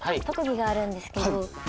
特技があるんですけど。